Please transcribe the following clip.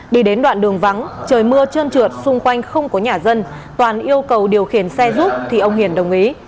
đi đến đoạn đường vắng trời mưa trơn trượt xung quanh không có nhà dân toàn yêu cầu điều khiển xe giúp thì ông hiền đồng ý